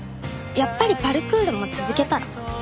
やっぱりパルクールも続けたら？